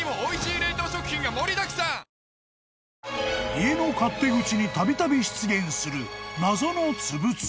［家の勝手口にたびたび出現する］